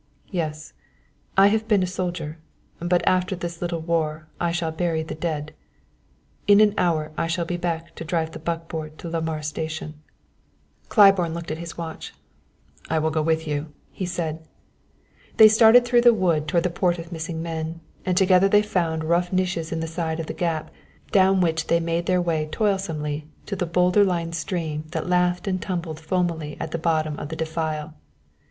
"Yes; I have been a soldier; but after this little war I shall bury the dead. In an hour I shall be back to drive the buckboard to Lamar station." Claiborne looked at his watch. "I will go with you," he said. They started through the wood toward the Port of Missing Men; and together they found rough niches in the side of the gap, down which they made their way toilsomely to the boulder lined stream that laughed and tumbled foamily at the bottom of the defile.